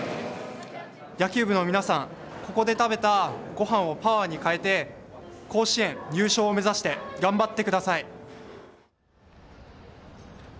野球部のみなさん、ここで食べたごはんをパワーに変えて甲子園優勝を目指して頑張ってください。